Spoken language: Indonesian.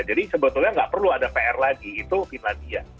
jadi sebetulnya tidak perlu ada pr lagi itu finlandia